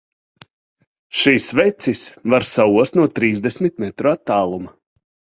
Šis vecis var saost no trīsdesmit metru attāluma!